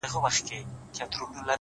د شېخ د فتواگانو چي په امن لرې خدايه’